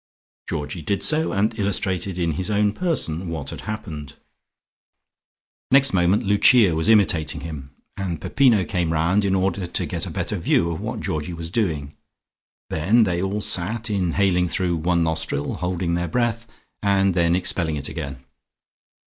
Georgie did so, and illustrated in his own person what had happened. Next moment Lucia was imitating him, and Peppino came round in order to get a better view of what Georgie was doing. Then they all sat, inhaling through one nostril, holding their breath, and then expelling it again.